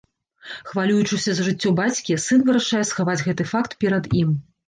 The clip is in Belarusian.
Хвалюючыся за жыццё бацькі, сын вырашае схаваць гэты факт перад ім.